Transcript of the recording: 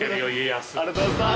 ありがとうございます。